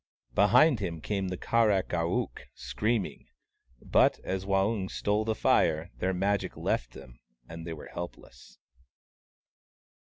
Behind him came the Kar ak ar ook, screaming. But as Waung stole the Fire, their Magic left them, and they were helpless.